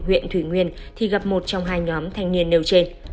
huyện thủy nguyên thì gặp một trong hai nhóm thanh niên nêu trên